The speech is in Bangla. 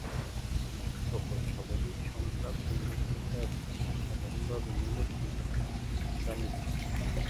সকল স্বাভাবিক সংখ্যা, পূর্ণ সংখ্যা, এবং, সাধারণভাবে, মূলদ সংখ্যা বীজগাণিতিক।